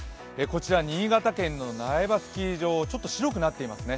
こちら新潟県の苗場スキー場、ちょっと白くなっていますね。